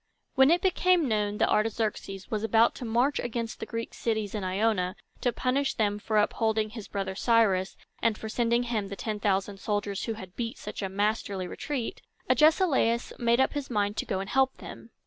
When it became known that Artaxerxes was about to march against the Greek cities in Ionia, to punish them for upholding his brother Cyrus, and for sending him the ten thousand soldiers who had beat such a masterly retreat, Agesilaus made up his mind to go and help them.